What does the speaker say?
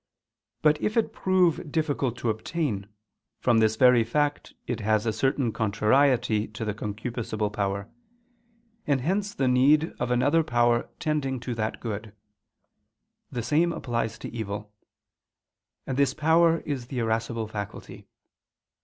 But if it prove difficult to obtain, from this very fact it has a certain contrariety to the concupiscible power: and hence the need of another power tending to that good. The same applies to evil. And this power is the irascible faculty.